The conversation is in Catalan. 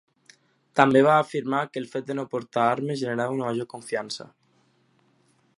També va afirmar que el fet de no portar armes generava una major confiança.